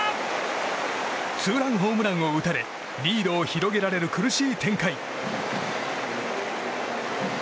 ツーランホームランを打たれリードを広げられる苦しい展開。